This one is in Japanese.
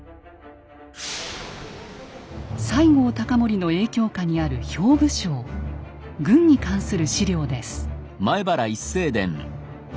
西郷隆盛の影響下にある兵部省軍に関する史料です。